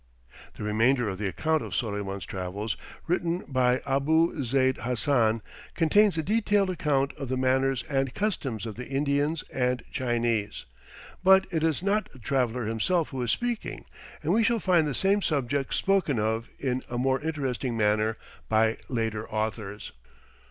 The remainder of the account of Soleyman's travels, written by Abou Zeyd Hassan, contains a detailed account of the manners and customs of the Indians and Chinese; but it is not the traveller himself who is speaking, and we shall find the same subjects spoken of in a more interesting manner by later authors.